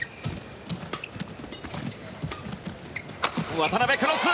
渡辺、クロス！